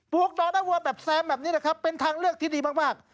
ปลูกดอกหน้าวัวแบบแซมแบบนี้เป็นทางเลือกที่ดีมาก